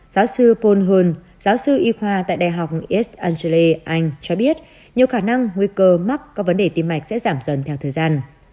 giáo sư paul hund giáo sư y khoa tại đại học east anglia anh cho biết nhiều khả năng nguy cơ mắc các vấn đề tim mạch sẽ giảm dần theo thời gian